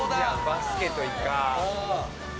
バスケといか。